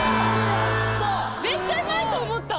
絶対ないと思った。